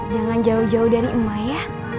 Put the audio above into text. jangan jauh jauh dari ema ya